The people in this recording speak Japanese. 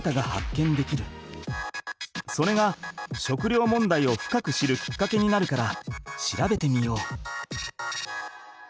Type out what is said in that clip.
それが食料もんだいを深く知るきっかけになるから調べてみよう。